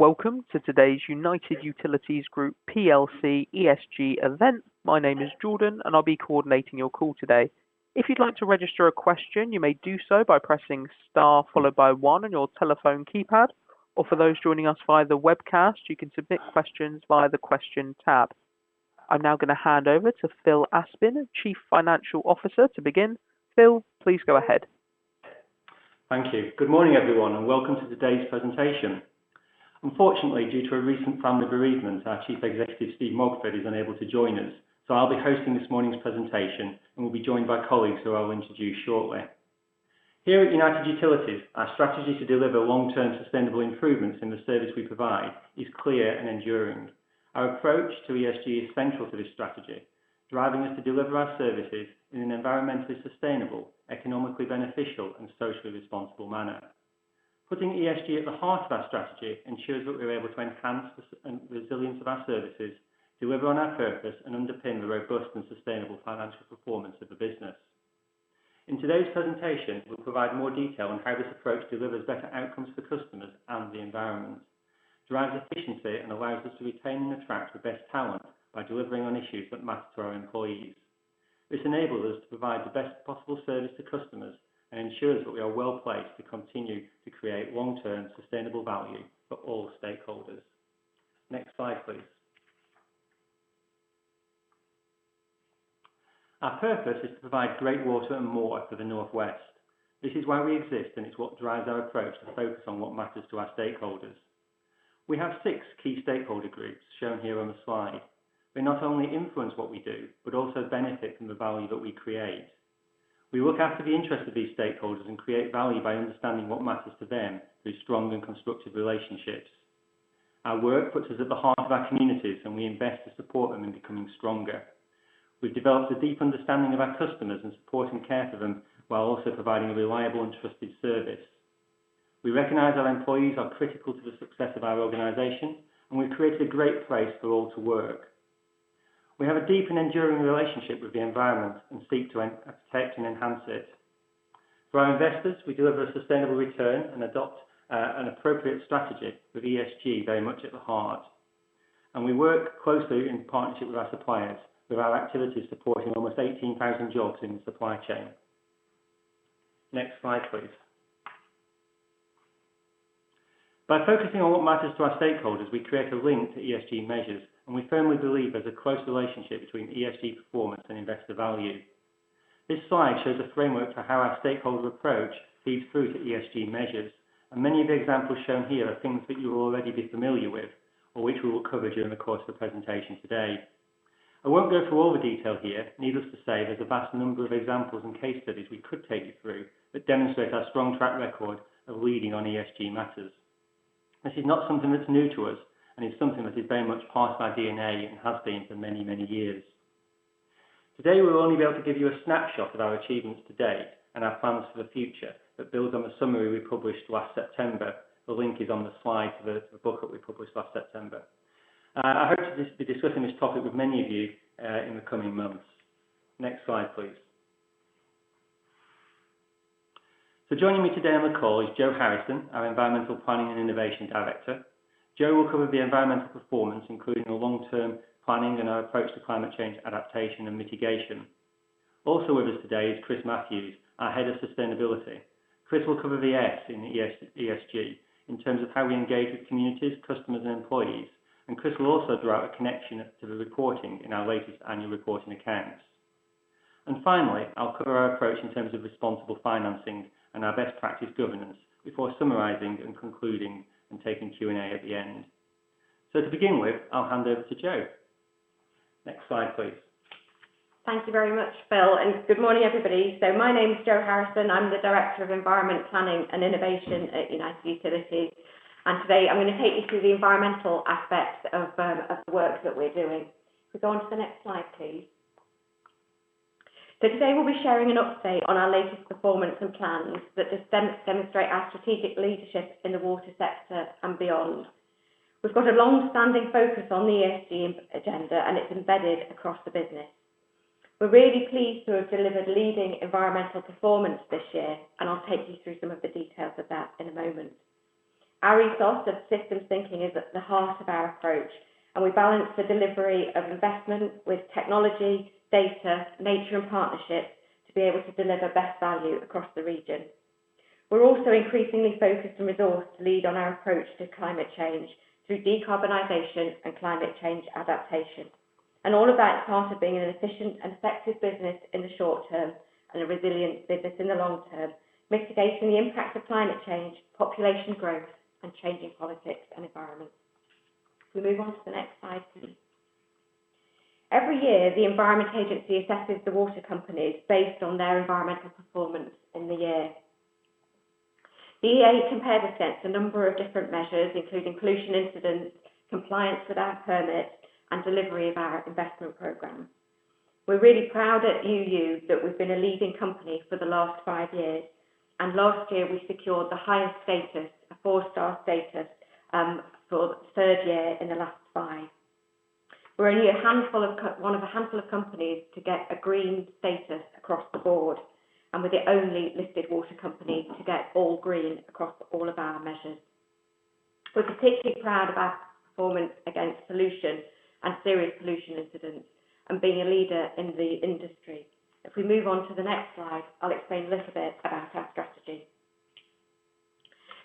Welcome to today's United Utilities Group PLC ESG event. My name is Jordan. I'll be coordinating your call today. If you'd like to register a question, you may do so by pressing star followed by one on your telephone keypad. For those joining us via the webcast, you can submit questions via the question tab. I'm now going to hand over to Phil Aspin, Chief Financial Officer, to begin. Phil, please go ahead. Thank you. Good morning, everyone, and welcome to today's presentation. Unfortunately, due to a recent family bereavement, our Chief Executive, Steve Mogford, is unable to join us, so I'll be hosting this morning's presentation, and will be joined by colleagues who I will introduce shortly. Here at United Utilities, our strategy to deliver long-term sustainable improvements in the service we provide is clear and enduring. Our approach to ESG is central to this strategy, driving us to deliver our services in an environmentally sustainable, economically beneficial, and socially responsible manner. Putting ESG at the heart of our strategy ensures that we're able to enhance the resilience of our services, deliver on our purpose, and underpin the robust and sustainable financial performance of the business. In today's presentation, we'll provide more detail on how this approach delivers better outcomes for customers and the environment, drives efficiency, and allows us to retain and attract the best talent by delivering on issues that matter to our employees. This enables us to provide the best possible service to customers and ensures that we are well-placed to continue to create long-term sustainable value for all stakeholders. Next slide, please. Our purpose is to provide great water and more for the North West. This is why we exist, and it's what drives our approach to focus on what matters to our stakeholders. We have six key stakeholder groups, shown here on the slide. They not only influence what we do, but also benefit from the value that we create. We look after the interests of these stakeholders and create value by understanding what matters to them through strong and constructive relationships. Our work puts us at the heart of our communities, and we invest to support them in becoming stronger. We've developed a deep understanding of our customers and support and care for them while also providing a reliable and trusted service. We recognize our employees are critical to the success of our organization, and we've created a great place for all to work. We have a deep and enduring relationship with the environment and seek to protect and enhance it. For our investors, we deliver a sustainable return and adopt an appropriate strategy with ESG very much at the heart. We work closely in partnership with our suppliers, with our activities supporting almost 18,000 jobs in the supply chain. Next slide, please. By focusing on what matters to our stakeholders, we create a link to ESG measures, and we firmly believe there's a close relationship between ESG performance and investor value. This slide shows a framework for how our stakeholder approach feeds through to ESG measures, and many of the examples shown here are things that you will already be familiar with or which we will cover during the course of the presentation today. I won't go through all the detail here. Needless to say, there's a vast number of examples and case studies we could take you through that demonstrate our strong track record of leading on ESG matters. This is not something that's new to us, and it's something that is very much part of our DNA and has been for many, many years. Today, we'll only be able to give you a snapshot of our achievements to date and our plans for the future that build on the summary we published last September. The link is on the slide for the book that we published last September. I hope to be discussing this topic with many of you in the coming months. Next slide, please. Joining me today on the call is Jo Harrison, our Environmental Planning and Innovation Director. Jo will cover the environmental performance, including our long-term planning and our approach to climate change adaptation and mitigation. Also with us today is Chris Matthews, our Head of Sustainability. Chris will cover the S in ESG in terms of how we engage with communities, customers, and employees. Chris will also draw out a connection to the reporting in our latest annual report and accounts. Finally, I'll cover our approach in terms of responsible financing and our best practice governance before summarizing and concluding and taking Q&A at the end. To begin with, I'll hand over to Jo. Next slide, please. Thank you very much, Phil, and good morning, everybody. My name's Jo Harrison. I'm the Director of Environment, Planning and Innovation at United Utilities. Today I'm going to take you through the environmental aspects of the work that we're doing. Could we go on to the next slide, please? Today we'll be sharing an update on our latest performance and plans that demonstrate our strategic leadership in the water sector and beyond. We've got a long-standing focus on the ESG agenda, and it's embedded across the business. We're really pleased to have delivered leading environmental performance this year, and I'll take you through some of the details of that in a moment. Our ethos of Systems Thinking is at the heart of our approach, and we balance the delivery of investment with technology, data, nature, and partnership to be able to deliver best value across the region. We're also increasingly focused and resourced to lead on our approach to climate change through decarbonization and climate change adaptation. All of that is part of being an efficient and effective business in the short term and a resilient business in the long term, mitigating the impact of climate change, population growth, and changing politics and environment. Can we move on to the next slide, please? Every year, the Environment Agency assesses the water companies based on their environmental performance in the year. The EA compares against a number of different measures, including pollution incidents, compliance with our permits, and delivery of our investment program. We're really proud at UU that we've been a leading company for the last five years, and last year we secured the highest status, a 4-star status, for the third year in the last five. We're only one of a handful of companies to get a green status across the board, and we're the only listed water company to get all green across all of our measures. We're particularly proud of our performance against pollution and serious pollution incidents and being a leader in the industry. If we move on to the next slide, I'll explain a little bit about our strategy.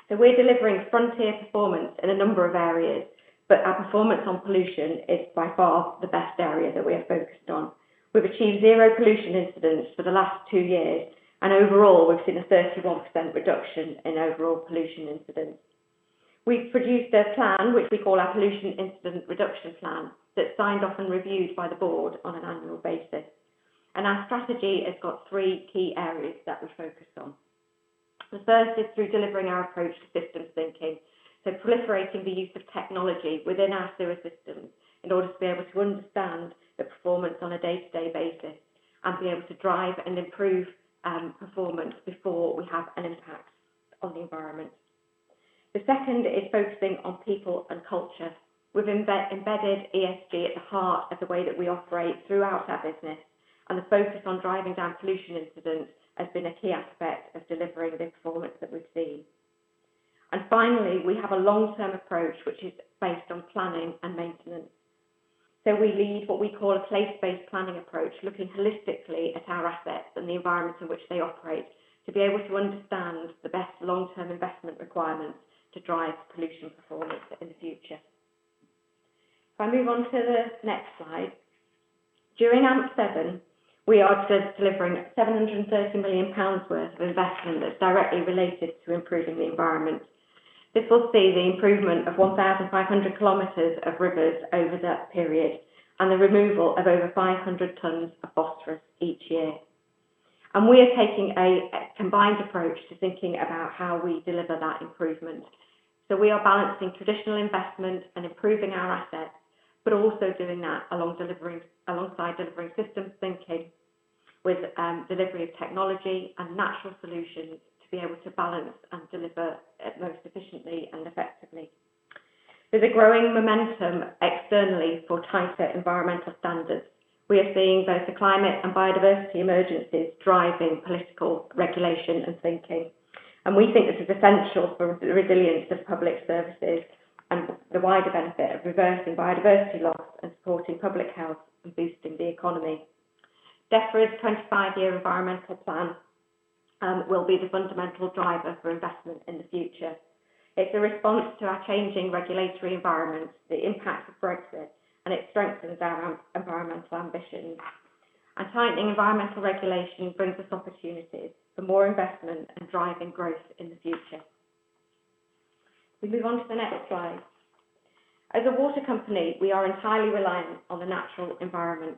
We're delivering frontier performance in a number of areas, but our performance on pollution is by far the best area that we are focused on. We've achieved zero pollution incidents for the last two years, and overall, we've seen a 31% reduction in overall pollution incidents. We've produced a plan, which we call our Pollution Incident Reduction Plan, that's signed off and reviewed by the board on an annual basis. Our strategy has got three key areas that we focus on. The first is through delivering our approach to systems thinking, so proliferating the use of technology within our sewer systems in order to be able to understand the performance on a day-to-day basis and be able to drive and improve performance before we have an impact on the environment. The second is focusing on people and culture. We've embedded ESG at the heart of the way that we operate throughout our business, the focus on driving down pollution incidents has been a key aspect of delivering the performance that we've seen. Finally, we have a long-term approach, which is based on planning and maintenance. We lead what we call a place-based planning approach, looking holistically at our assets and the environment in which they operate to be able to understand the best long-term investment requirements to drive pollution performance in the future. If I move on to the next slide. During AMP7, we are delivering 730 million pounds worth of investment that's directly related to improving the environment. This will see the improvement of 1,500 km of rivers over that period and the removal of over 500 tons of phosphorus each year. We are taking a combined approach to thinking about how we deliver that improvement. We are balancing traditional investment and improving our assets, but also doing that alongside delivering systems thinking with delivery of technology and natural solutions to be able to balance and deliver most efficiently and effectively. There's a growing momentum externally for tighter environmental standards. We are seeing both the climate and biodiversity emergencies driving political regulation and thinking. We think this is essential for the resilience of public services and the wider benefit of reversing biodiversity loss and supporting public health and boosting the economy. DEFRA's 25 Year Environment Plan will be the fundamental driver for investment in the future. It's a response to our changing regulatory environment, the impact of Brexit. It strengthens our environmental ambitions. Tightening environmental regulation brings us opportunities for more investment and driving growth in the future. If we move on to the next slide. As a water company, we are entirely reliant on the natural environment.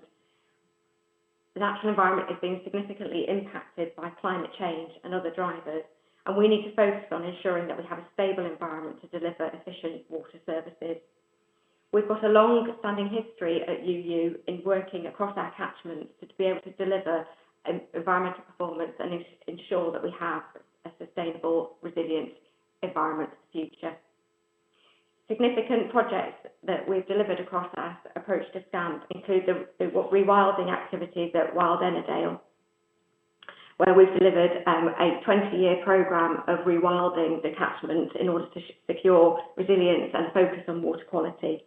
The natural environment is being significantly impacted by climate change and other drivers. We need to focus on ensuring that we have a stable environment to deliver efficient water services. We've got a long-standing history at UU in working across our catchments to be able to deliver environmental performance and ensure that we have a sustainable, resilient environment for the future. Significant projects that we've delivered across our approach to standards include the rewilding activities at Wild Ennerdale, where we've delivered a 20-year program of rewilding the catchment in order to secure resilience and focus on water quality.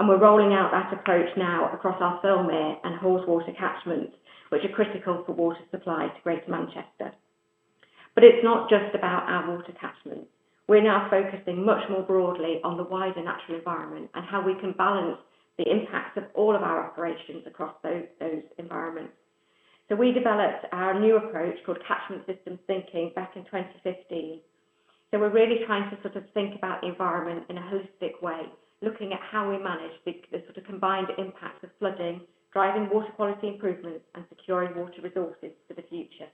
We're rolling out that approach now across our Thirlmere and Haweswater catchments, which are critical for water supply to Greater Manchester. It's not just about our water catchment. We're now focusing much more broadly on the wider natural environment and how we can balance the impact of all of our operations across those environments. We developed our new approach called Catchment Systems Thinking back in 2015. We're really trying to sort of think about the environment in a holistic way, looking at how we manage the sort of combined impact of flooding, driving water quality improvements, and securing water resources for the future.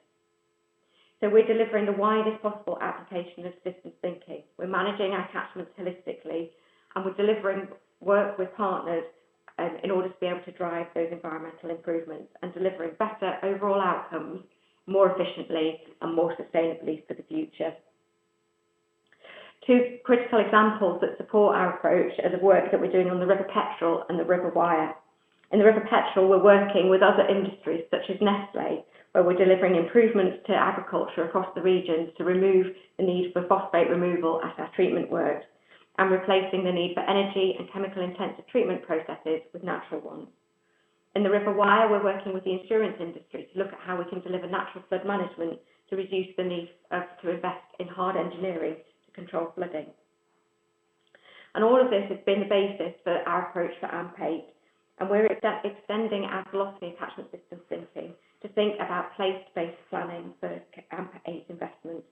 We're delivering the widest possible application of systems thinking. We're managing our catchments holistically, and we're delivering work with partners in order to be able to drive those environmental improvements and delivering better overall outcomes more efficiently and more sustainably for the future. Two critical examples that support our approach are the work that we're doing on the River Petteril and the River Wyre. In the River Petteril, we're working with other industries such as Nestlé, where we're delivering improvements to agriculture across the region to remove the need for phosphate removal at our treatment works and replacing the need for energy and chemical-intensive treatment processes with natural ones. In the River Wyre, we're working with the insurance industry to look at how we can deliver natural flood management to reduce the need to invest in hard engineering to control flooding. All of this has been the basis for our approach for AMP8, and we're extending our philosophy of Catchment Systems Thinking to think about place-based planning for AMP8 investments.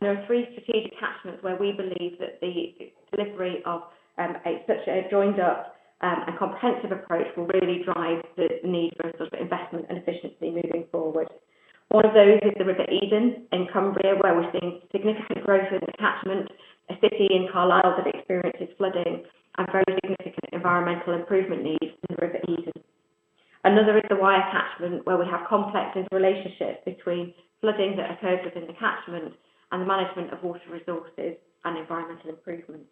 There are three strategic catchments where we believe that the delivery of such a joined-up and comprehensive approach will really drive the need for investment and efficiency moving forward. One of those is the River Eden in Cumbria, where we're seeing significant growth in the catchment, a city in Carlisle that experiences flooding, and very significant environmental improvement needs in the River Eden. Another is the Wyre catchment, where we have complex relationships between flooding that occurs within the catchment and the management of water resources and environmental improvements.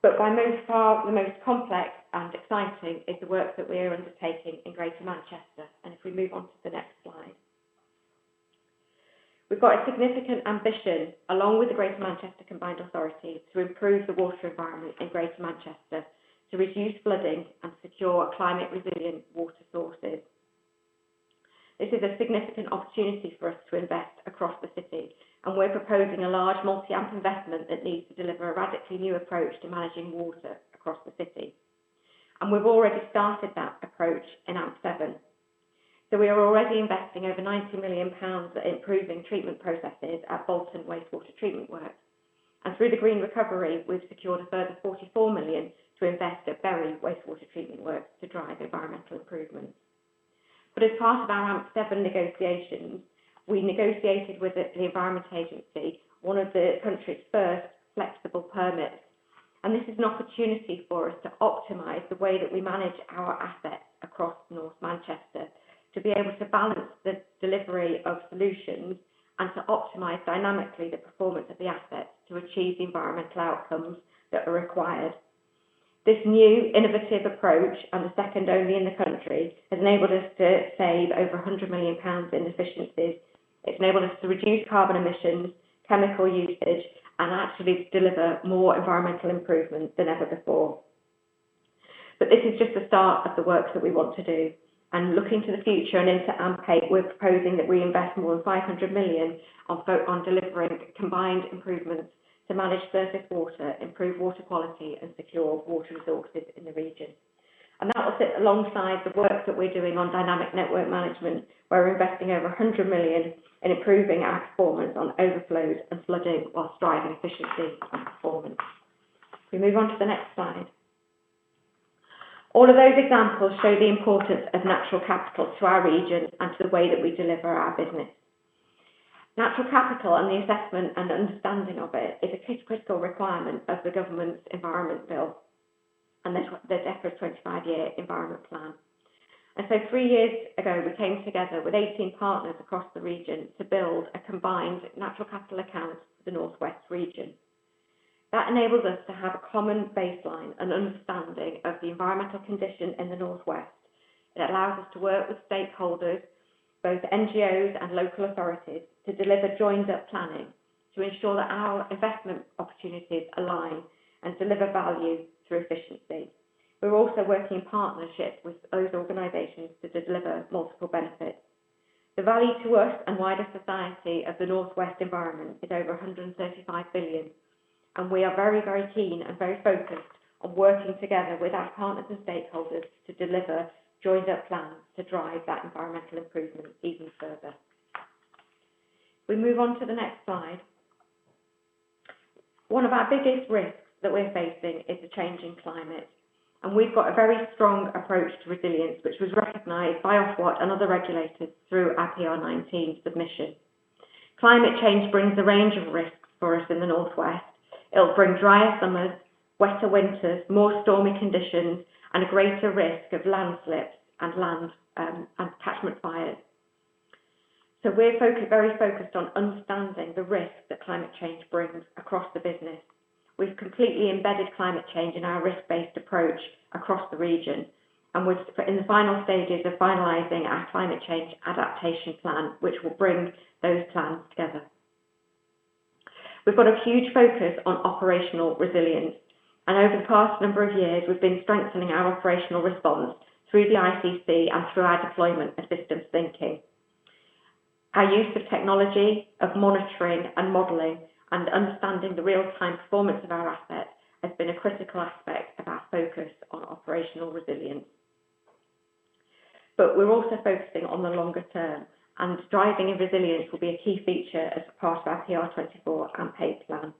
By most far, the most complex and exciting is the work that we are undertaking in Greater Manchester. If we move on to the next slide. We've got a significant ambition, along with the Greater Manchester Combined Authority, to improve the water environment in Greater Manchester, to reduce flooding and secure climate resilient water sources. This is a significant opportunity for us to invest across the city, we're proposing a large multi-AMP investment that needs to deliver a radically new approach to managing water across the city. We've already started that approach in AMP7. We are already investing over 90 million pounds at improving treatment processes at Bolton Wastewater Treatment Works. Through the Green Recovery, we've secured a further 44 million to invest at Bury Wastewater Treatment Works to drive environmental improvements. As part of our AMP7 negotiations, we negotiated with the Environment Agency, one of the country's first flexible permits. This is an opportunity for us to optimize the way that we manage our assets across North Manchester, to be able to balance the delivery of solutions and to optimize dynamically the performance of the assets to achieve the environmental outcomes that are required. This new innovative approach, and the second only in the country, has enabled us to save over 100 million pounds in efficiencies. It's enabled us to reduce carbon emissions, chemical usage, and actually deliver more environmental improvement than ever before. This is just the start of the work that we want to do. Looking to the future and into AMP8, we're proposing that we invest more than 500 million on delivering combined improvements to manage surface water, improve water quality, and secure water resources in the region. That will sit alongside the work that we're doing on dynamic network management, where we're investing over 100 million in improving our performance on overflows and flooding whilst driving efficiency and performance. If we move on to the next slide. All of those examples show the importance of natural capital to our region and to the way that we deliver our business. Natural capital and the assessment and understanding of it is a critical requirement of the government's Environment Bill and Defra's 25 Year Environment Plan. Three years ago, we came together with 18 partners across the region to build a combined natural capital account for the North West region. That enables us to have a common baseline and understanding of the environmental condition in the North West. It allows us to work with stakeholders, both NGOs and local authorities, to deliver joined up planning to ensure that our investment opportunities align and deliver value through efficiency. We're also working in partnership with those organizations to deliver multiple benefits. The value to us and wider society of the North West environment is over 135 billion, we are very keen and very focused on working together with our partners and stakeholders to deliver joined up plans to drive that environmental improvement even further. We move on to the next slide. One of our biggest risks that we're facing is the changing climate. We've got a very strong approach to resilience, which was recognized by Ofwat and other regulators through our PR19 submission. Climate change brings a range of risks for us in the Northwest. It'll bring drier summers, wetter winters, more stormy conditions, and a greater risk of landslips and catchment fires. We're very focused on understanding the risk that climate change brings across the business. We've completely embedded climate change in our risk-based approach across the region. We're in the final stages of finalizing our climate change adaptation plan, which will bring those plans together. We've got a huge focus on operational resilience. Over the past number of years, we've been strengthening our operational response through the ICC and through our deployment of systems thinking. Our use of technology, of monitoring and modeling and understanding the real-time performance of our assets has been a critical aspect of our focus on operational resilience. We're also focusing on the longer term, and driving resilience will be a key feature as part of our PR24 AMP8 plan.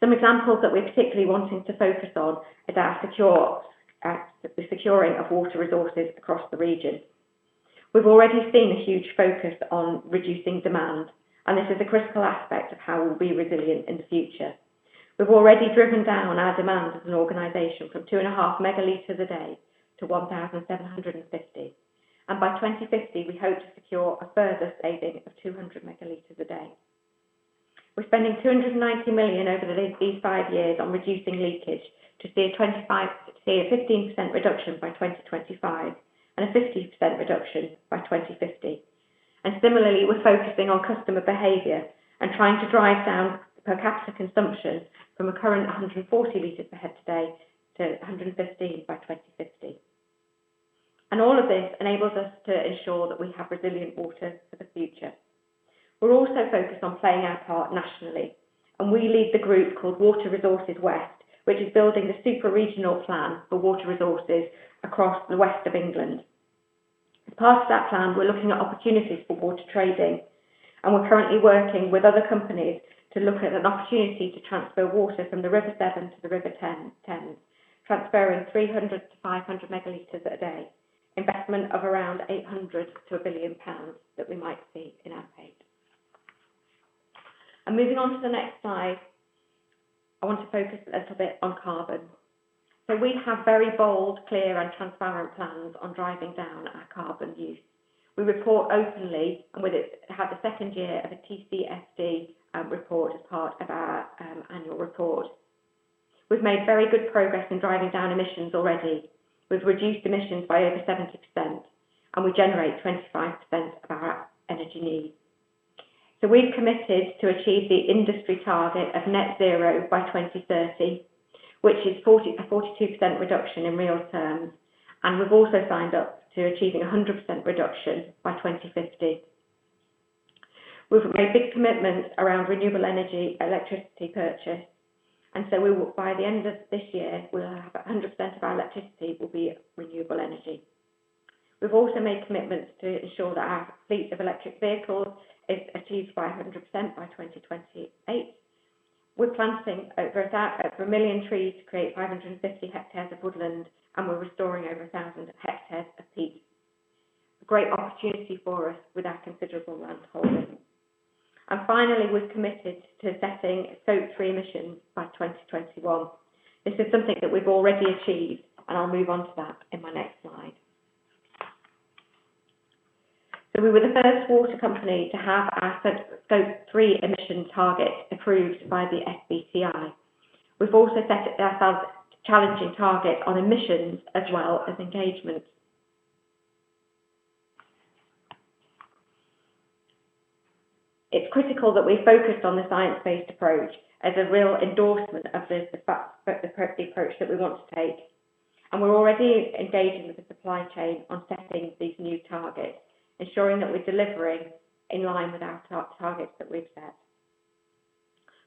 Some examples that we're particularly wanting to focus on is the securing of water resources across the region. We've already seen a huge focus on reducing demand, and this is a critical aspect of how we'll be resilient in the future. We've already driven down on our demand as an organization from 2.5 Ml/d to 1,750 Ml/d. By 2050, we hope to secure a further saving of 200 Ml/d. We're spending 290 million over these five years on reducing leakage to see a 15% reduction by 2025 and a 50% reduction by 2050. Similarly, we're focusing on customer behavior and trying to drive down the per capita consumption from a current 140 L per head today to 115 L by 2050. All of this enables us to ensure that we have resilient water for the future. We're also focused on playing our part nationally, and we lead the group called Water Resources West, which is building the super-regional plan for water resources across the west of England. As part of that plan, we're looking at opportunities for water trading, and we're currently working with other companies to look at an opportunity to transfer water from the River Severn to the River Thames, transferring 300 Ml/d to 500 Ml/d. Investment of around 800 million to 1 billion pounds that we might see in AMP8. Moving on to the next slide, I want to focus a little bit on carbon. We have very bold, clear, and transparent plans on driving down our carbon use. We report openly, and we have the second year of a TCFD report as part of our annual report. We've made very good progress in driving down emissions already. We've reduced emissions by over 70%, and we generate 25% of our energy needs. We've committed to achieve the industry target of net zero by 2030, which is a 42% reduction in real terms, and we've also signed up to achieving 100% reduction by 2050. We've made big commitments around renewable energy electricity purchase, and so by the end of this year, we'll have 100% of our electricity will be renewable energy. We've also made commitments to ensure that our fleet of electric vehicles is achieved by 100% by 2028. We're planting over 1 million trees to create 550 hectares of woodland, and we're restoring over 1,000 hectares of peat. A great opportunity for us with our considerable land holding. Finally, we've committed to setting Scope 3 emissions by 2021. This is something that we've already achieved, and I'll move on to that in my next slide. We were the first water company to have our Scope 3 emission target approved by the SBTi. We've also set ourselves challenging targets on emissions as well as engagement. It's critical that we focused on the science-based approach as a real endorsement of the approach that we want to take, and we're already engaging with the supply chain on setting these new targets, ensuring that we're delivering in line with our targets that we've set.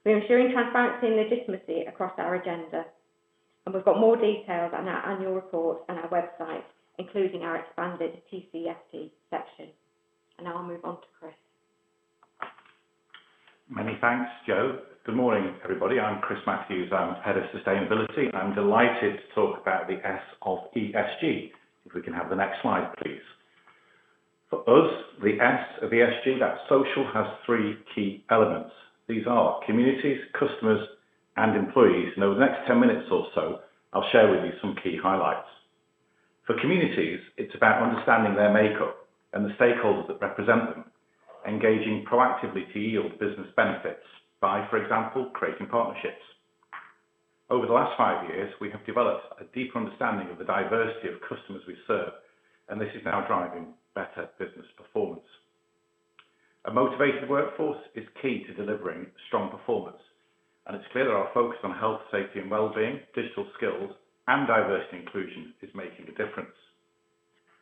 We are ensuring transparency and legitimacy across our agenda, and we've got more details on our annual report and our website, including our expanded TCFD section. Now I'll move on to Chris. Many thanks, Jo. Good morning, everybody. I'm Chris Matthews, I'm Head of Sustainability, and I'm delighted to talk about the S of ESG. If we can have the next slide, please. For us, the S of ESG, that's social, has three key elements. These are communities, customers, and employees. Over the next 10 minutes or so, I'll share with you some key highlights. For communities, it's about understanding their makeup and the stakeholders that represent them, engaging proactively to yield business benefits by, for example, creating partnerships. Over the last five years, we have developed a deeper understanding of the diversity of customers we serve, and this is now driving better business performance. A motivated workforce is key to delivering strong performance, and it's clear that our focus on health, safety, and wellbeing, digital skills, and diversity inclusion is making a difference.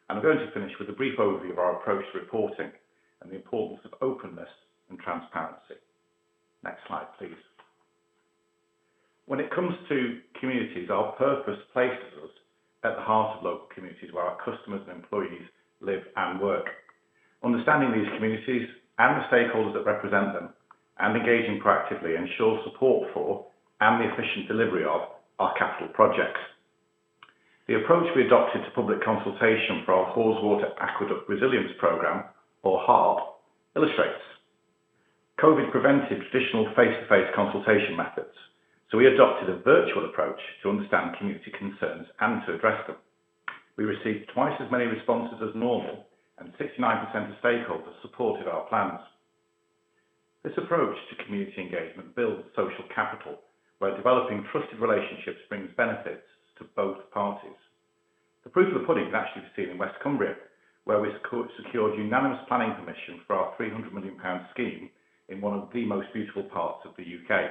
I'm going to finish with a brief overview of our approach to reporting and the importance of openness and transparency. Next slide, please. When it comes to communities, our purpose places us at the heart of local communities, where our customers and employees live and work. Understanding these communities and the stakeholders that represent them and engaging proactively ensures support for, and the efficient delivery of, our capital projects. The approach we adopted to public consultation for our Haweswater Aqueduct Resilience Programme, or HARP, illustrates. COVID prevented traditional face-to-face consultation methods, so we adopted a virtual approach to understand community concerns and to address them. We received twice as many responses as normal, and 69% of stakeholders supported our plans. This approach to community engagement builds social capital, where developing trusted relationships brings benefits to both parties. The proof of the pudding can actually be seen in West Cumbria, where we secured unanimous planning permission for our 300 million pound scheme in one of the most beautiful parts of the U.K.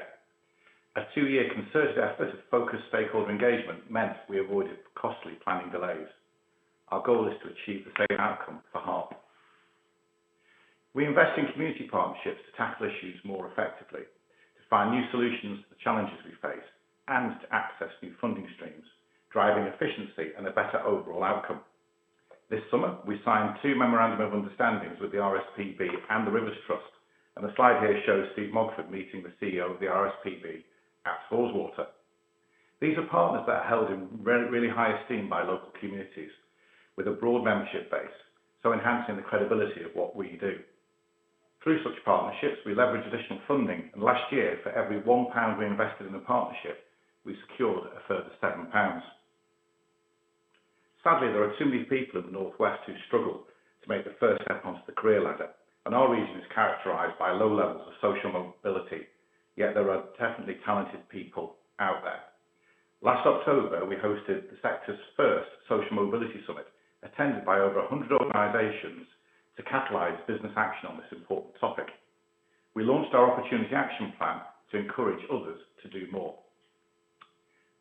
A two-year concerted effort of focused stakeholder engagement meant we avoided costly planning delays. Our goal is to achieve the same outcome for HARP. We invest in community partnerships to tackle issues more effectively, to find new solutions to the challenges we face, and to access new funding streams, driving efficiency and a better overall outcome. This summer, we signed two memorandum of understandings with the RSPB and The Rivers Trust, and the slide here shows Steve Mogford meeting the CEO of the RSPB at Haweswater. These are partners that are held in really high esteem by local communities with a broad membership base, so enhancing the credibility of what we do. Through such partnerships, we leverage additional funding. Last year, for every 1 pound we invested in a partnership, we secured a further 7 pounds. Sadly, there are too many people in the North West who struggle to make the first step onto the career ladder. Our region is characterized by low levels of social mobility, there are definitely talented people out there. Last October, we hosted the sector's first Social Mobility Summit, attended by over 100 organizations, to catalyze business action on this important topic. We launched our Opportunity Action Plan to encourage others to do more.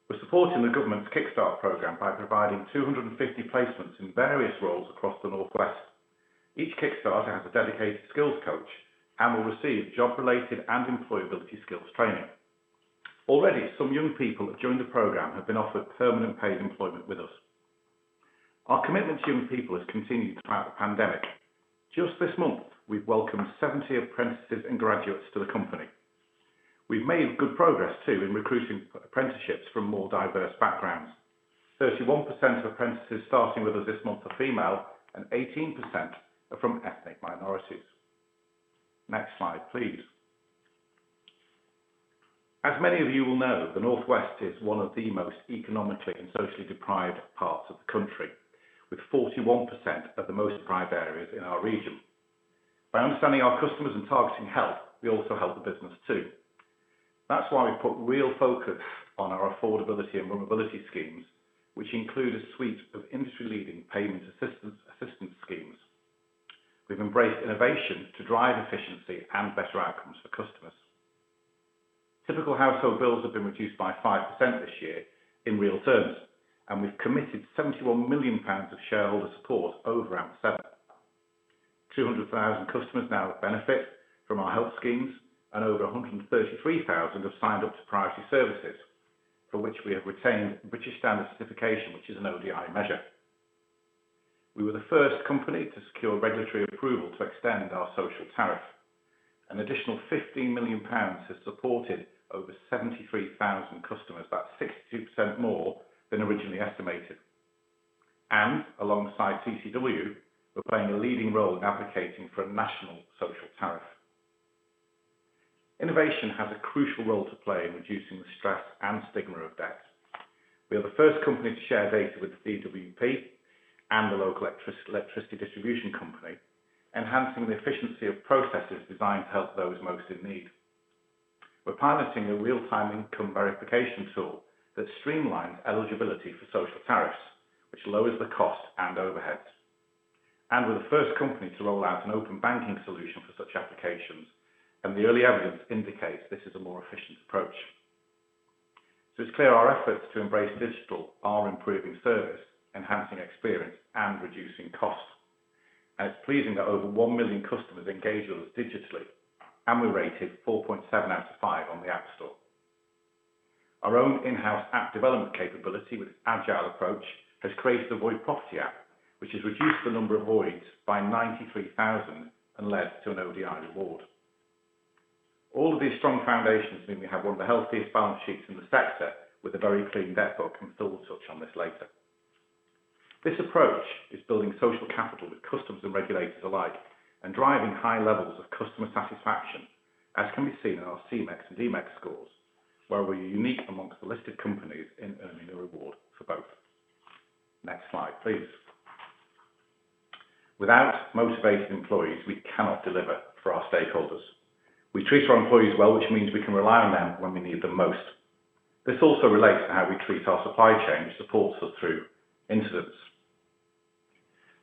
We're supporting the government's Kickstart Scheme by providing 250 placements in various roles across the North West. Each Kickstarter has a dedicated skills coach and will receive job-related and employability skills training. Already, some young people that joined the program have been offered permanent paid employment with us. Our commitment to young people has continued throughout the pandemic. Just this month, we've welcomed 70 apprentices and graduates to the company. We've made good progress too in recruiting for apprenticeships from more diverse backgrounds. 31% of apprentices starting with us this month are female, and 18% are from ethnic minorities. Next slide, please. As many of you will know, the North West is one of the most economically and socially deprived parts of the country, with 41% of the most deprived areas in our region. By understanding our customers and targeting help, we also help the business too. That's why we've put real focus on our affordability and vulnerability schemes, which include a suite of industry-leading payment assistance schemes. We've embraced innovation to drive efficiency and better outcomes for customers. Typical household bills have been reduced by 5% this year in real terms. We've committed 71 million pounds of shareholder support over and above. 200,000 customers now benefit from our help schemes. Over 133,000 have signed up to priority services, for which we have retained British Standard certification, which is an ODI measure. We were the first company to secure regulatory approval to extend our social tariff. An additional 15 million pounds has supported over 73,000 customers, about 62% more than originally estimated. Alongside CCW, we're playing a leading role in advocating for a national social tariff. Innovation has a crucial role to play in reducing the stress and stigma of debt. We are the first company to share data with the DWP and the local electricity distribution company, enhancing the efficiency of processes designed to help those most in need. We're piloting a real-time income verification tool that streamlines eligibility for social tariffs, which lowers the cost and overheads. We're the first company to roll out an open banking solution for such applications, and the early evidence indicates this is a more efficient approach. It's clear our efforts to embrace digital are improving service, enhancing experience, and reducing costs. It's pleasing that over 1 million customers engage with us digitally, and we're rated 4.7 out of five on the App Store. Our own in-house app development capability with its agile approach has created the Void Property app, which has reduced the number of voids by 93,000 and led to an ODI award. All of these strong foundations mean we have one of the healthiest balance sheets in the sector with a very clean debt book, and Phil will touch on this later. This approach is building social capital with customers and regulators alike and driving high levels of customer satisfaction, as can be seen in our C-MeX and D-MeX scores, where we are unique amongst the listed companies in earning a reward for both. Next slide, please. Without motivated employees, we cannot deliver for our stakeholders. We treat our employees well, which means we can rely on them when we need them most. This also relates to how we treat our supply chain, which supports us through incidents.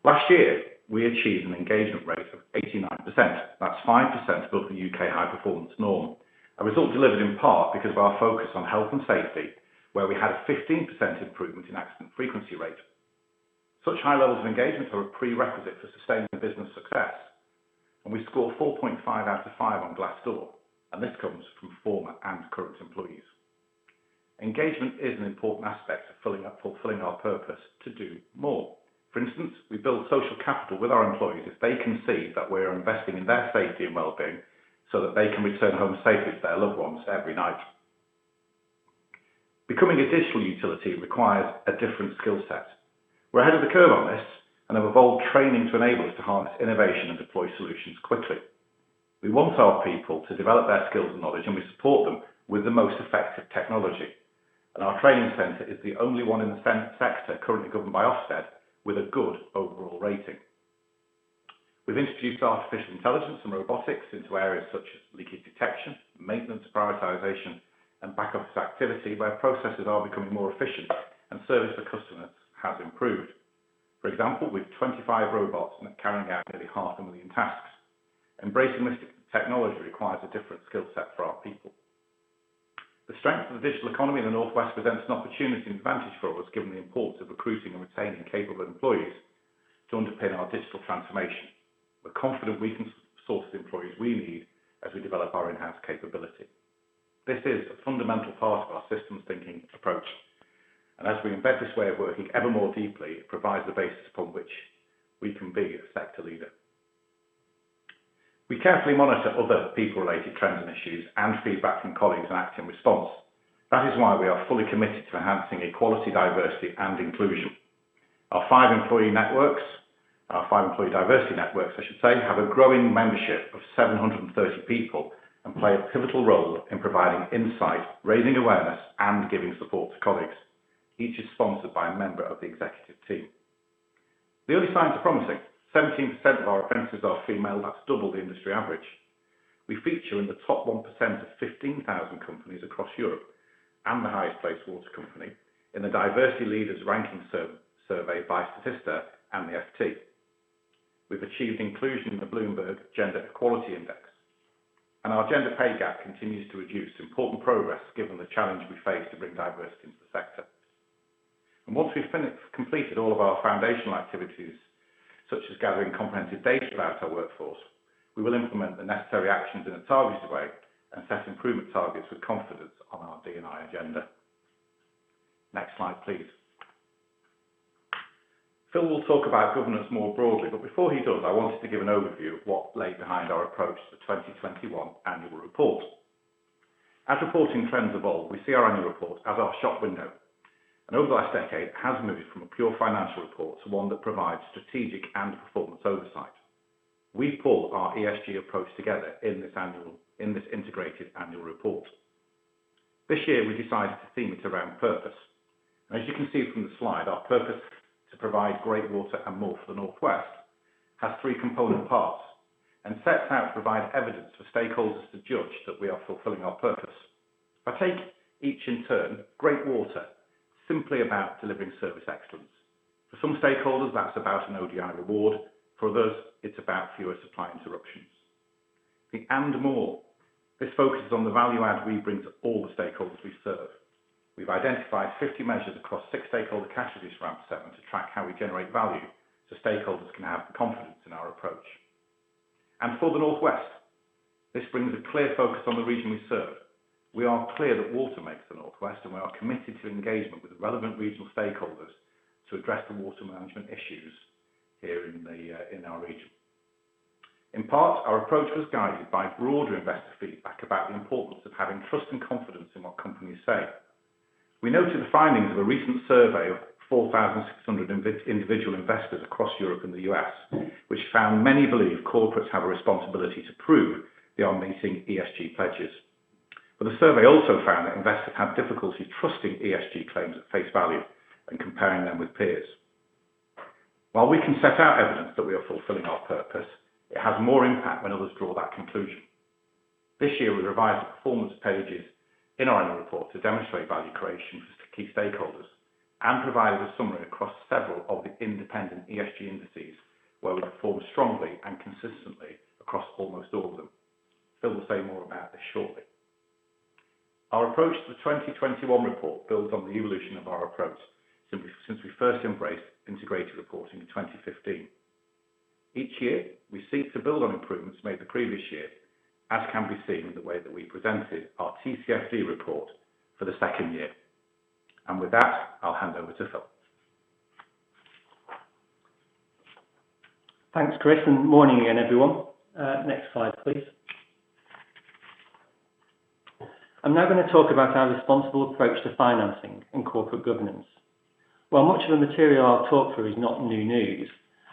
Last year, we achieved an engagement rate of 89%. That is 5% above the U.K. high-performance norm, a result delivered in part because of our focus on health and safety, where we had a 15% improvement in accident frequency rate. Such high levels of engagement are a prerequisite for sustaining the business success. We score 4.5 out of five on Glassdoor, and this comes from former and current employees. Engagement is an important aspect of fulfilling our purpose to do more. For instance, we build social capital with our employees if they can see that we are investing in their safety and well-being so that they can return home safely to their loved ones every night. Becoming a digital utility requires a different skill set. We're ahead of the curve on this and have evolved training to enable us to harness innovation and deploy solutions quickly. We want our people to develop their skills and knowledge. We support them with the most effective technology. Our training center is the only one in the sector currently governed by Ofsted with a good overall rating. We've introduced artificial intelligence and robotics into areas such as leakage detection, maintenance prioritization, and back-office activity where processes are becoming more efficient and service for customers has improved. For example, we've 25 robots carrying out nearly 500,000 tasks. Embracing this technology requires a different skill set for our people. The strength of the digital economy in the North West presents an opportunity and advantage for us, given the importance of recruiting and retaining capable employees to underpin our digital transformation. We're confident we can source the employees we need as we develop our enhanced capability. This is a fundamental part of our systems thinking approach, and as we embed this way of working ever more deeply, it provides the basis upon which we can be a sector leader. We carefully monitor other people-related trends and issues and feedback from colleagues and act in response. That is why we are fully committed to enhancing equality, diversity, and inclusion. Our five employee diversity networks, I should say, have a growing membership of 730 people and play a pivotal role in providing insight, raising awareness, and giving support to colleagues. Each is sponsored by a member of the executive team. The early signs are promising. 17% of our apprentices are female. That's double the industry average. We feature in the top 1% of 15,000 companies across Europe and the highest-placed water company in the Diversity Leaders ranking survey by Statista and the FT. We've achieved inclusion in the Bloomberg Gender-Equality Index, and our gender pay gap continues to reduce important progress given the challenge we face to bring diversity into the sector. Once we've completed all of our foundational activities, such as gathering comprehensive data about our workforce, we will implement the necessary actions in a targeted way and set improvement targets with confidence on our D&I agenda. Next slide, please. Phil will talk about governance more broadly, but before he does, I wanted to give an overview of what laid behind our approach to the 2021 annual report. Reporting trends evolve, we see our annual report as our shop window, and over the last decade, it has moved from a pure financial report to one that provides strategic and performance oversight. We pull our ESG approach together in this integrated annual report. This year, we decided to theme it around purpose. As you can see from the slide, our purpose to provide great water and more for the North West has three component parts and sets out to provide evidence for stakeholders to judge that we are fulfilling our purpose. I take each in turn. Great water, simply about delivering service excellence. For some stakeholders, that's about an ODI award. For others, it's about fewer supply interruptions. The "and more," this focuses on the value add we bring to all the stakeholders we serve. We've identified 50 measures across six stakeholder categories around the seven to track how we generate value, so stakeholders can have confidence in our approach. For the North West, this brings a clear focus on the region we serve. We are clear that water makes the North West, and we are committed to engagement with relevant regional stakeholders to address the water management issues here in our region. In part, our approach was guided by broader investor feedback about the importance of having trust and confidence in what companies say. We noted the findings of a recent survey of 4,600 individual investors across Europe and the U.S., which found many believe corporates have a responsibility to prove they are meeting ESG pledges. The survey also found that investors have difficulty trusting ESG claims at face value and comparing them with peers. While we can set out evidence that we are fulfilling our purpose, it has more impact when others draw that conclusion. This year, we revised the performance pages in our annual report to demonstrate value creation for key stakeholders and provided a summary across several of the independent ESG indices where we perform strongly and consistently across almost all of them. Phil will say more about this shortly. Our approach to the 2021 report builds on the evolution of our approach since we first embraced integrated reporting in 2015. Each year, we seek to build on improvements made the previous year, as can be seen in the way that we presented our TCFD report for the second year. With that, I'll hand over to Phil. Thanks, Chris. Morning again, everyone. Next slide, please. I am now going to talk about our responsible approach to financing and corporate governance. While much of the material I will talk through is not new news,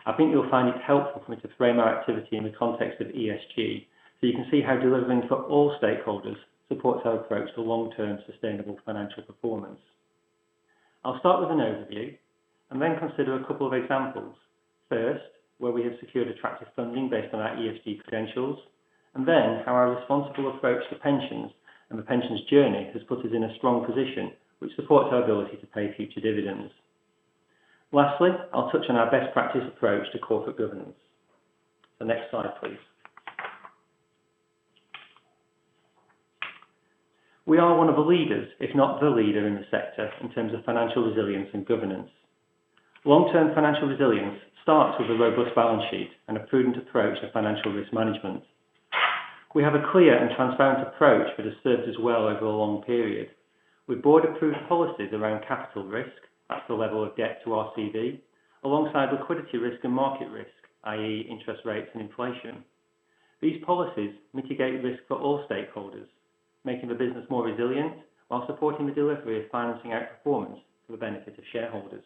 I think you will find it helpful for me to frame our activity in the context of ESG, so you can see how delivering for all stakeholders supports our approach to long-term sustainable financial performance. I will start with an overview. Then consider a couple of examples. First, where we have secured attractive funding based on our ESG credentials, and then how our responsible approach to pensions and the pensions journey has put us in a strong position, which supports our ability to pay future dividends. Lastly, I will touch on our best practice approach to corporate governance. The next slide, please. We are one of the leaders, if not the leader in the sector, in terms of financial resilience and governance. Long-term financial resilience starts with a robust balance sheet and a prudent approach to financial risk management. We have a clear and transparent approach that has served us well over a long period. With board-approved policies around capital risk, that's the level of debt to RCV, alongside liquidity risk and market risk, i.e. interest rates and inflation. These policies mitigate risk for all stakeholders, making the business more resilient while supporting the delivery of financing outperformance for the benefit of shareholders.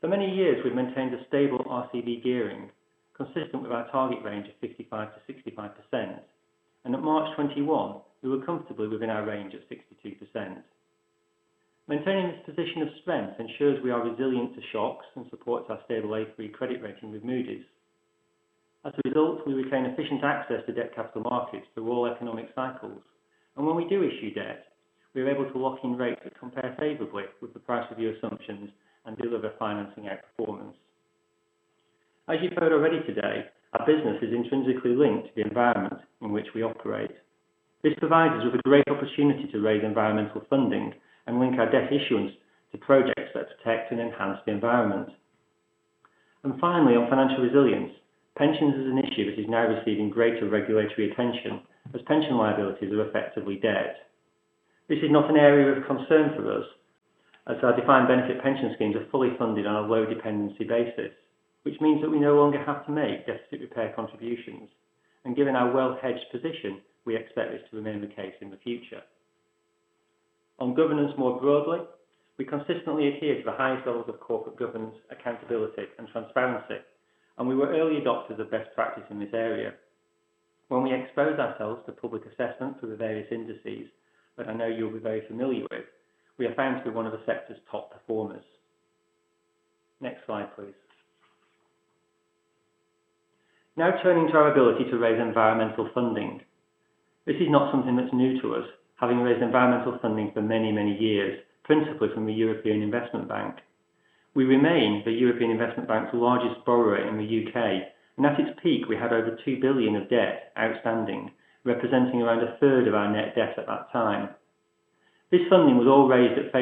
For many years, we've maintained a stable RCV gearing consistent with our target range of 55%-65%, and at March 2021, we were comfortably within our range of 62%. Maintaining this position of strength ensures we are resilient to shocks and supports our stable A3 credit rating with Moody's. As a result, we retain efficient access to debt capital markets through all economic cycles. When we do issue debt, we are able to lock in rates that compare favorably with the price of the assumptions and deliver financing outperformance. As you've heard already today, our business is intrinsically linked to the environment in which we operate. This provides us with a great opportunity to raise environmental funding and link our debt issuance to projects that protect and enhance the environment. Finally, on financial resilience, pensions is an issue which is now receiving greater regulatory attention, as pension liabilities are effectively debt. This is not an area of concern for us, as our defined benefit pension schemes are fully funded on a low dependency basis, which means that we no longer have to make deficit repair contributions. Given our well-hedged position, we expect this to remain the case in the future. On governance more broadly, we consistently adhere to the highest levels of corporate governance, accountability, and transparency, and we were early adopters of best practice in this area. When we expose ourselves to public assessment through the various indices that I know you'll be very familiar with, we are found to be one of the sector's top performers. Next slide, please. Now turning to our ability to raise environmental funding. This is not something that's new to us, having raised environmental funding for many, many years, principally from the European Investment Bank. We remain the European Investment Bank's largest borrower in the U.K., and at its peak, we had over 2 billion of debt outstanding, representing around 1/3 of our net debt at that time. Post-Brexit,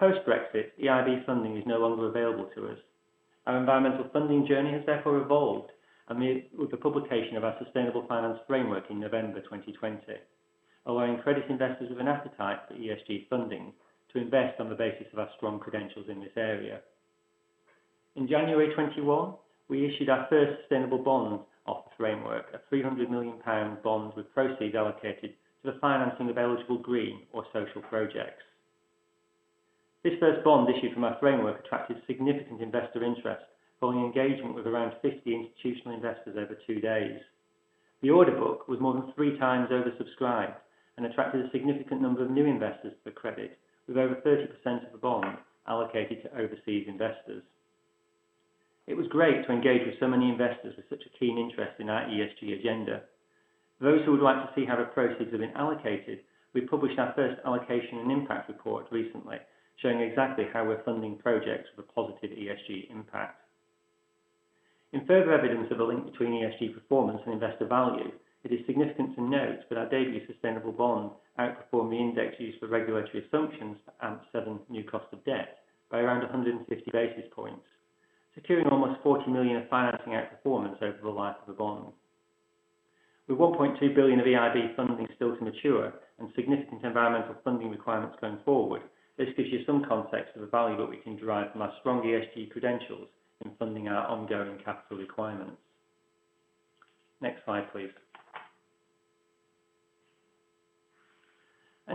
EIB funding is no longer available to us. Our environmental funding journey has therefore evolved with the publication of our Sustainable Finance Framework in November 2020, allowing credit investors with an appetite for ESG funding to invest on the basis of our strong credentials in this area. In January 2021, we issued our first sustainable bond off the framework, a 300 million pound bond with proceeds allocated to the financing of eligible green or social projects. This first bond issued from our framework attracted significant investor interest following engagement with around 50 institutional investors over two days. The order book was more than three times oversubscribed and attracted a significant number of new investors to the credit, with over 30% of the bond allocated to overseas investors. It was great to engage with so many investors with such a keen interest in our ESG agenda. For those who would like to see how the proceeds have been allocated, we published our first allocation and impact report recently, showing exactly how we are funding projects with a positive ESG impact. In further evidence of a link between ESG performance and investor value, it is significant to note that our debut sustainable bond outperformed the index used for regulatory assumptions for AMP7 new cost of debt by around 150 basis points, securing almost 40 million of financing outperformance over the life of the bond. With 1.2 billion of EIB funding still to mature and significant environmental funding requirements going forward, this gives you some context of the value that we can derive from our strong ESG credentials in funding our ongoing capital requirements. Next slide, please.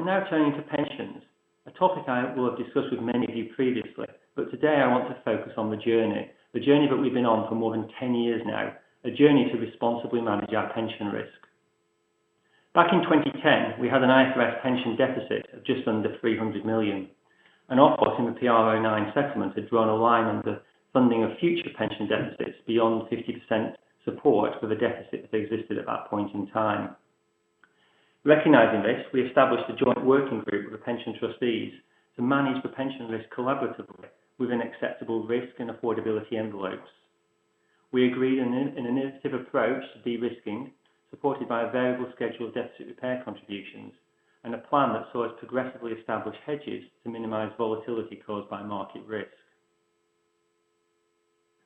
Now turning to pensions, a topic I will have discussed with many of you previously. Today I want to focus on the journey, the journey that we've been on for more than 10 years now, a journey to responsibly manage our pension risk. Back in 2010, we had an IFRS pension deficit of just under 300 million. Ofwat in the PR09 settlement had drawn a line under funding of future pension deficits beyond 50% support for the deficit that existed at that point in time. Recognizing this, we established a joint working group with the pension trustees to manage the pension risk collaboratively within acceptable risk and affordability envelopes. We agreed an initiative approach to de-risking, supported by a variable schedule of deficit repair contributions, and a plan that saw us progressively establish hedges to minimize volatility caused by market risk.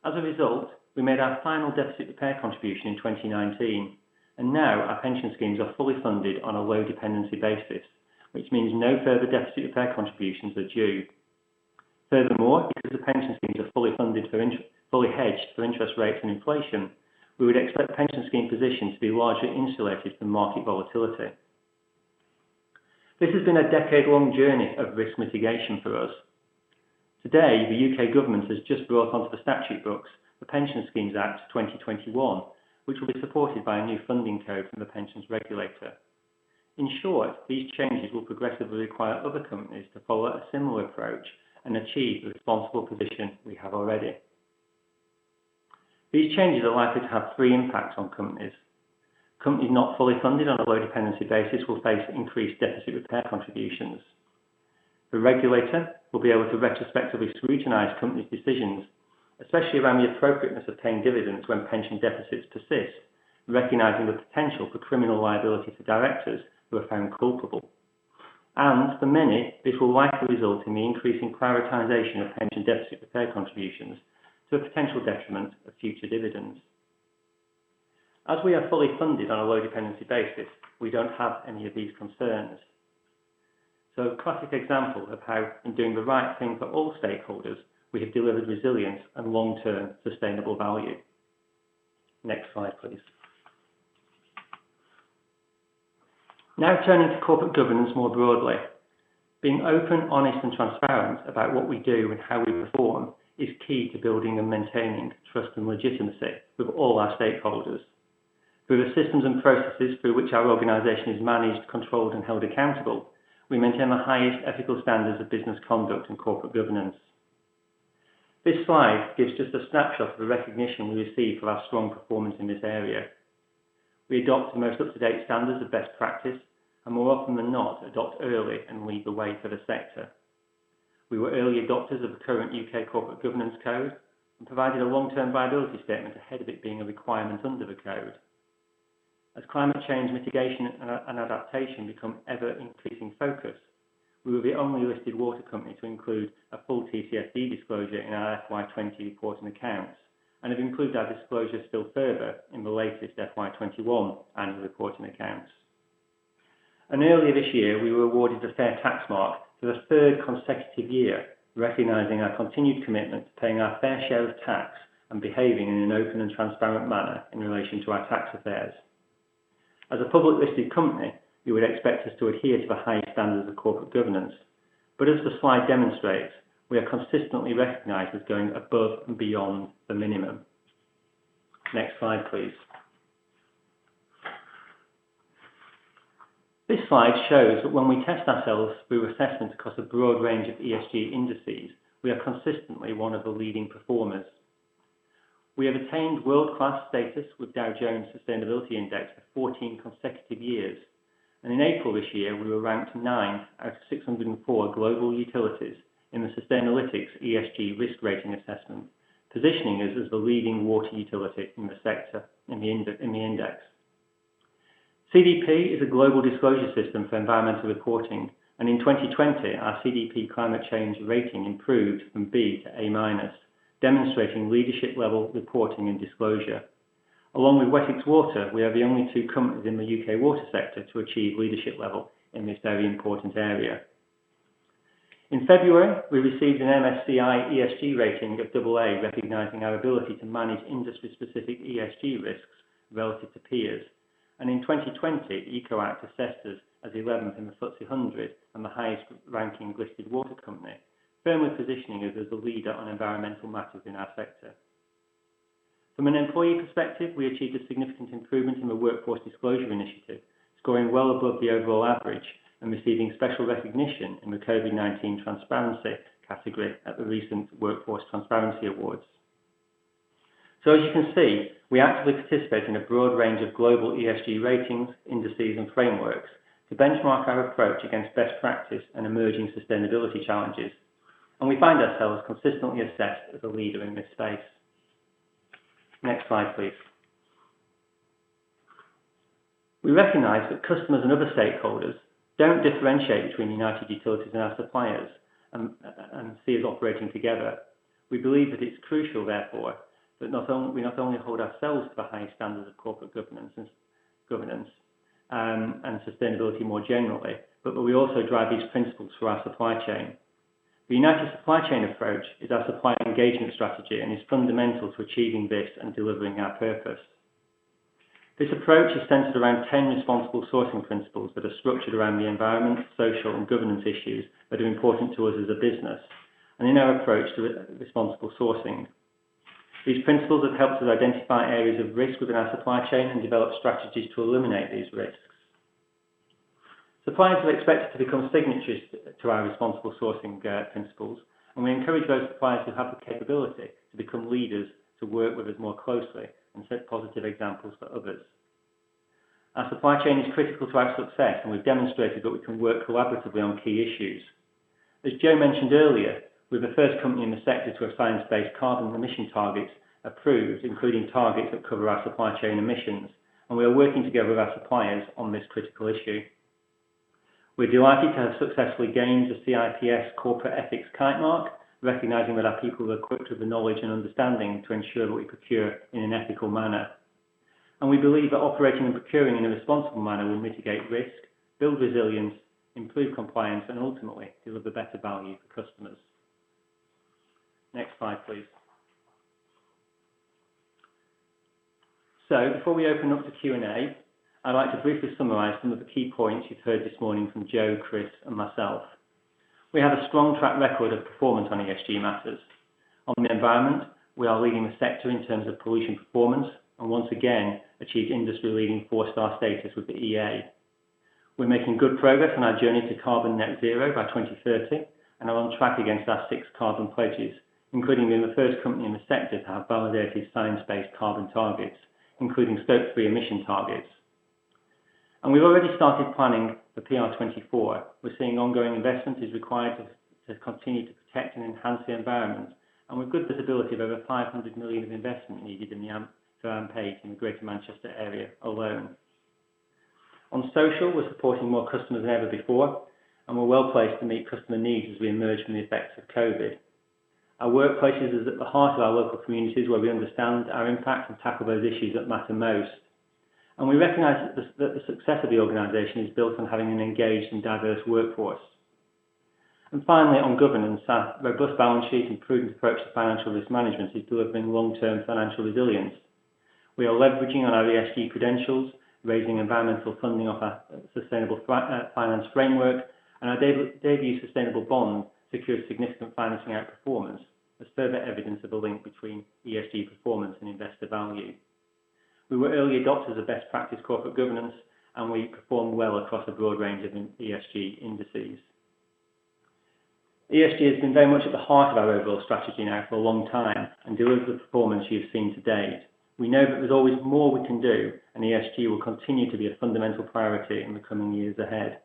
As a result, we made our final deficit repair contribution in 2019, and now our pension schemes are fully funded on a low dependency basis, which means no further deficit repair contributions are due. Furthermore, because the pension schemes are fully hedged for interest rates and inflation, we would expect the pension scheme position to be largely insulated from market volatility. This has been a decade-long journey of risk mitigation for us. Today, the U.K. government has just brought onto the statute books the Pension Schemes Act 2021, which will be supported by a new funding code from the pensions regulator. In short, these changes will progressively require other companies to follow a similar approach and achieve the responsible position we have already. These changes are likely to have three impacts on companies. Companies not fully funded on a low dependency basis will face increased deficit repair contributions. The regulator will be able to retrospectively scrutinize companies' decisions, especially around the appropriateness of paying dividends when pension deficits persist, recognizing the potential for criminal liability for directors who are found culpable. For many, this will likely result in the increasing prioritization of pension deficit repair contributions to the potential detriment of future dividends. As we are fully funded on a low dependency basis, we don't have any of these concerns. A classic example of how in doing the right thing for all stakeholders, we have delivered resilience and long-term sustainable value. Next slide, please. Turning to corporate governance more broadly. Being open, honest, and transparent about what we do and how we perform is key to building and maintaining trust and legitimacy with all our stakeholders. Through the systems and processes through which our organization is managed, controlled, and held accountable, we maintain the highest ethical standards of business conduct and corporate governance. This slide gives just a snapshot of the recognition we receive for our strong performance in this area. We adopt the most up-to-date standards of best practice and more often than not, adopt early and lead the way for the sector. We were early adopters of the current U.K. Corporate Governance Code and provided a long-term viability statement ahead of it being a requirement under the code. As climate change mitigation and adaptation become ever-increasing focus, we were the only listed water company to include a full TCFD disclosure in our FY 2020 reporting accounts, have included our disclosure still further in the latest FY 2021 annual reporting accounts. Earlier this year, we were awarded the Fair Tax Mark for the third consecutive year, recognizing our continued commitment to paying our fair share of tax and behaving in an open and transparent manner in relation to our tax affairs. As a public listed company, you would expect us to adhere to the highest standards of corporate governance. As the slide demonstrates, we are consistently recognized as going above and beyond the minimum. Next slide, please. This slide shows that when we test ourselves through assessments across a broad range of ESG indices, we are consistently one of the leading performers. We have attained world-class status with Dow Jones Sustainability Indices for 14 consecutive years. In April this year, we were ranked ninth out of 604 global utilities in the Sustainalytics ESG risk rating assessment, positioning us as the leading water utility in the sector in the index. CDP is a global disclosure system for environmental reporting, and in 2020, our CDP climate change rating improved from B to A minus, demonstrating leadership level reporting and disclosure. Along with Wessex Water, we are the only two companies in the U.K. water sector to achieve leadership level in this very important area. In February, we received an MSCI ESG rating of AA, recognizing our ability to manage industry-specific ESG risks relative to peers. In 2020, EcoAct assessed us as 11th in the FTSE 100, and the highest-ranking listed water company, firmly positioning us as a leader on environmental matters in our sector. From an employee perspective, we achieved a significant improvement in the Workforce Disclosure Initiative, scoring well above the overall average and receiving special recognition in the COVID-19 transparency category at the recent Workforce Transparency Awards. As you can see, we actively participate in a broad range of global ESG ratings, indices, and frameworks to benchmark our approach against best practice and emerging sustainability challenges, and we find ourselves consistently assessed as a leader in this space. Next slide, please. We recognize that customers and other stakeholders don't differentiate between United Utilities and our suppliers, and see us operating together. We believe that it's crucial, therefore, that we not only hold ourselves to the highest standards of corporate governance and sustainability more generally, but we also drive these principles through our supply chain. The United Supply Chain approach is our supplier engagement strategy and is fundamental to achieving this and delivering our purpose. This approach is centered around 10 responsible sourcing principles that are structured around the environment, social, and governance issues that are important to us as a business and in our approach to responsible sourcing. These principles have helped us identify areas of risk within our supply chain and develop strategies to eliminate these risks. Suppliers are expected to become signatories to our responsible sourcing principles. We encourage those suppliers who have the capability to become leaders to work with us more closely and set positive examples for others. Our supply chain is critical to our success. We've demonstrated that we can work collaboratively on key issues. As Jo mentioned earlier, we're the first company in the sector to have science-based carbon emission targets approved, including targets that cover our supply chain emissions. We are working together with our suppliers on this critical issue. We're delighted to have successfully gained the CIPS Corporate Ethics Mark, recognizing that our people are equipped with the knowledge and understanding to ensure that we procure in an ethical manner. We believe that operating and procuring in a responsible manner will mitigate risk, build resilience, improve compliance, and ultimately deliver better value for customers. Next slide, please. Before we open up to Q&A, I'd like to briefly summarize some of the key points you've heard this morning from Jo, Chris, and myself. We have a strong track record of performance on ESG matters. On the environment, we are leading the sector in terms of pollution performance, and once again, achieved industry-leading 4-star status with the EA. We're making good progress on our journey to carbon net zero by 2030 and are on track against our six carbon pledges, including being the first company in the sector to have validated science-based carbon targets, including Scope 3 emission targets. We've already started planning for PR24. We're seeing ongoing investment is required to continue to protect and enhance the environment, and with good visibility of over 500 million of investment needed in the AMP in the Greater Manchester area alone. On social, we're supporting more customers than ever before, and we're well-placed to meet customer needs as we emerge from the effects of COVID. Our workplaces is at the heart of our local communities, where we understand our impact and tackle those issues that matter most. We recognize that the success of the organization is built on having an engaged and diverse workforce. Finally, on governance, our robust balance sheet and prudent approach to financial risk management is delivering long-term financial resilience. We are leveraging on our ESG credentials, raising environmental funding off our Sustainable Finance Framework, and our debut sustainable bond secured significant financing outperformance as further evidence of the link between ESG performance and investor value. We were early adopters of best practice corporate governance, and we perform well across a broad range of ESG indices. ESG has been very much at the heart of our overall strategy now for a long time, and delivers the performance you have seen to date. We know that there's always more we can do, and ESG will continue to be a fundamental priority in the coming years ahead.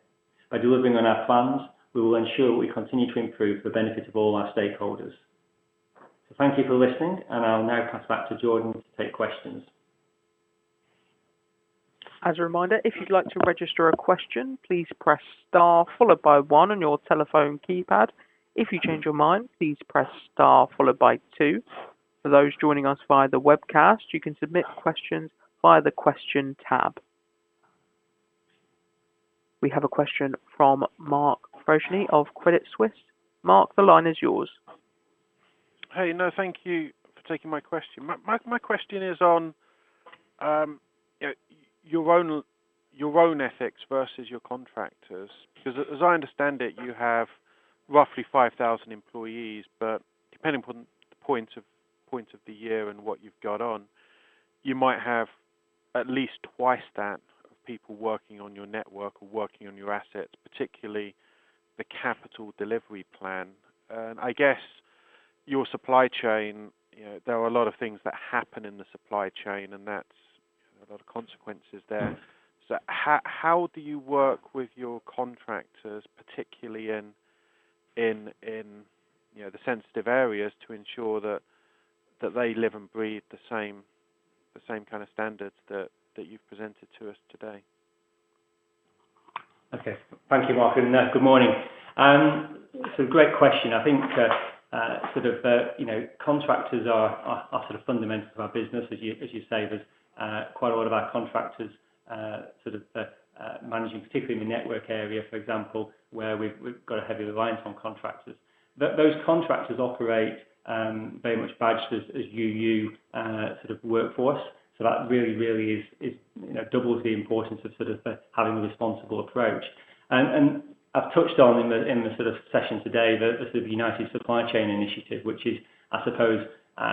By delivering on our plans, we will ensure that we continue to improve for the benefit of all our stakeholders. Thank you for listening, and I'll now pass back to Jordan to take questions. As a reminder, if you'd like to register a question, please press star followed by one on your telephone keypad. If you change your mind, please press star followed by two. For those joining us via the webcast, you can submit questions via the question tab. We have a question from Mark Freshney of Credit Suisse. Mark, the line is yours. Hey, thank you for taking my question. My question is on your own ethics versus your contractors, because as I understand it, you have roughly 5,000 employees, but depending upon the point of the year and what you've got on, you might have at least twice that of people working on your network or working on your assets, particularly the capital delivery plan. I guess your supply chain, there are a lot of things that happen in the supply chain, and that's a lot of consequences there. How do you work with your contractors, particularly in the sensitive areas to ensure that they live and breathe the same kind of standards that you've presented to us today. Okay. Thank you, Mark, and good morning. It's a great question. I think contractors are fundamental to our business, as you say. There's quite a lot of our contractors managing, particularly in the network area, for example, where we've got a heavy reliance on contractors. Those contractors operate very much badged as UU workforce. That really doubles the importance of having a responsible approach. I've touched on in the session today, the United Supply Chain Initiative, which is, I suppose,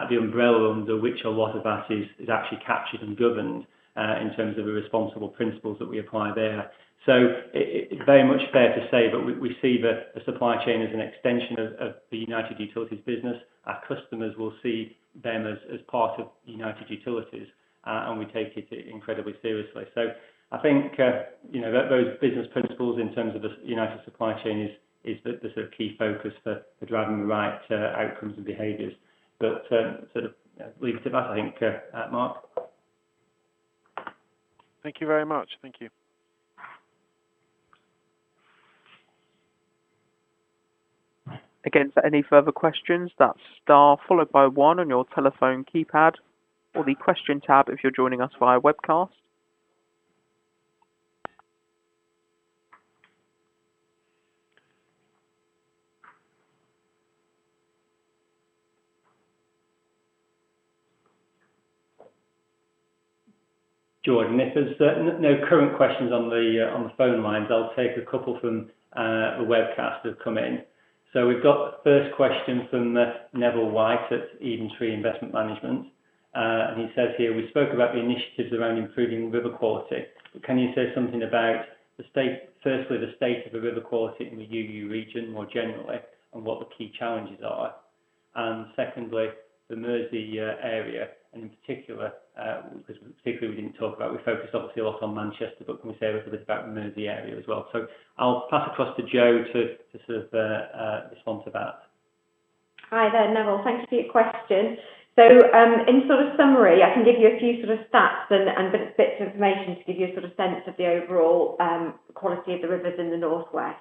the umbrella under which a lot of that is actually captured and governed in terms of the responsible principles that we apply there. It's very much fair to say that we see the supply chain as an extension of the United Utilities business. Our customers will see them as part of United Utilities, and we take it incredibly seriously. I think, those business principles in terms of the United Supply Chain is the key focus for driving the right outcomes and behaviors. Leave it at that, I think, Mark. Thank you very much. Thank you. Again, for any further questions, that's star followed by one on your telephone keypad or the question tab if you're joining us via webcast. Jordan, if there's no current questions on the phone lines, I'll take a couple from the webcast that have come in. We've got the first question from Neville White at EdenTree Investment Management. He says here, "We spoke about the initiatives around improving river quality. Can you say something about, firstly, the state of the river quality in the UU region more generally and what the key challenges are, and secondly, the Mersey area, and in particular, because particularly we didn't talk about, we focused obviously a lot on Manchester, but can we say a little bit about the Mersey area as well?" I'll pass across to Jo to respond to that. Hi there, Neville. Thank you for your question. In summary, I can give you a few stats and bits of information to give you a sense of the overall quality of the rivers in the North West.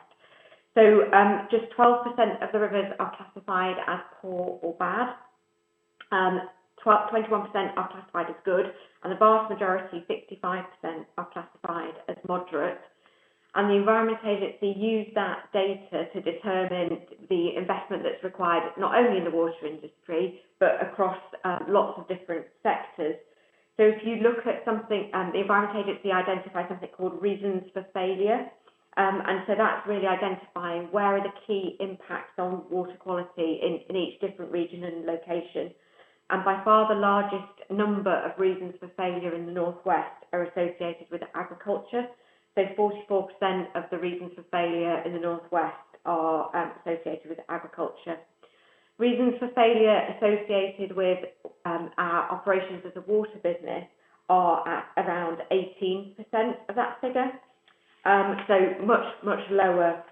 Just 12% of the rivers are classified as poor or bad. 21% are classified as good, and the vast majority, 65%, are classified as moderate. The Environment Agency used that data to determine the investment that's required, not only in the water industry, but across lots of different sectors. If you look at something, the Environment Agency identifies something called reasons for failure. That's really identifying where are the key impacts on water quality in each different region and location. By far, the largest number of reasons for failure in the North West are associated with agriculture. 44% of the reasons for failure in the North West are associated with agriculture. Reasons for failure associated with our operations as a water business are at around 18% of that figure. Much, much lower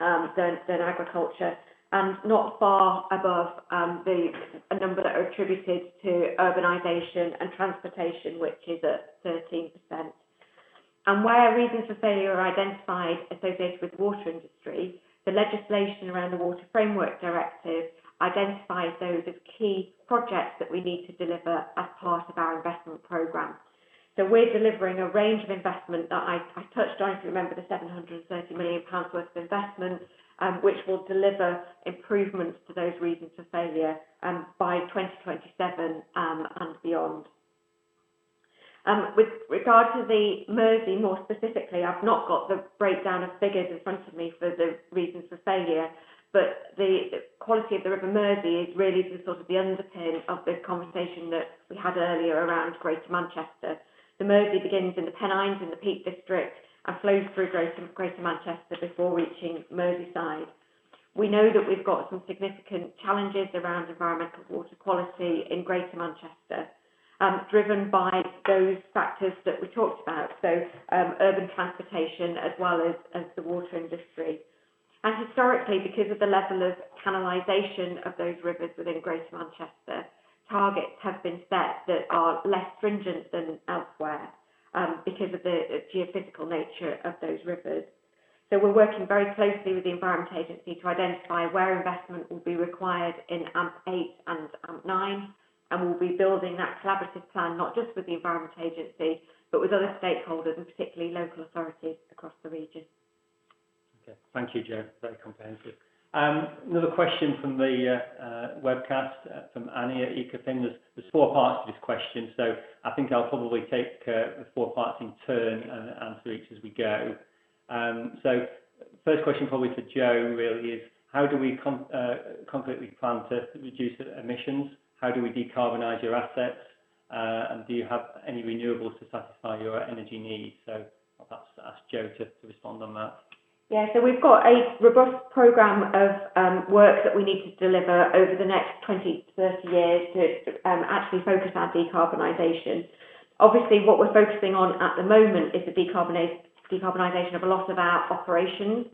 than agriculture and not far above the number that are attributed to urbanization and transportation, which is at 13%. Where reasons for failure are identified associated with the water industry, the legislation around the Water Framework Directive identifies those as key projects that we need to deliver as part of our investment program. We're delivering a range of investment that I touched on, if you remember, the 730 million pounds worth of investment, which will deliver improvements to those reasons for failure by 2027 and beyond. With regard to the Mersey, more specifically, I've not got the breakdown of figures in front of me for the reasons for failure, but the quality of the River Mersey is really the sort of the underpin of the conversation that we had earlier around Greater Manchester. The Mersey begins in the Pennines in the Peak District and flows through Greater Manchester before reaching Merseyside. We know that we've got some significant challenges around environmental water quality in Greater Manchester, driven by those factors that we talked about, so, urban transportation as well as the water industry. Historically, because of the level of canalization of those rivers within Greater Manchester, targets have been set that are less stringent than elsewhere, because of the geophysical nature of those rivers. We're working very closely with the Environment Agency to identify where investment will be required in AMP8 and AMP9, and we'll be building that collaborative plan, not just with the Environment Agency, but with other stakeholders and particularly local authorities across the region. Okay. Thank you, Jo. Very comprehensive. Another question from the webcast, from Annie at Ecofin. There's four parts to this question, I think I'll probably take the four parts in turn and answer each as we go. First question probably for Jo, really is, how do we concretely plan to reduce emissions? How do we decarbonize your assets? Do you have any renewables to satisfy your energy needs? Perhaps ask Jo to respond on that. Yeah, we've got a robust program of work that we need to deliver over the next 20, 30 years to actually focus on decarbonization. Obviously, what we're focusing on at the moment is the decarbonization of a lot of our operations.